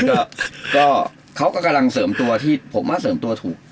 อยู่กันอย่างนี้ก็ก็เขากันกำลังเสริมตัวที่ผมว่าเสริมตัวถูก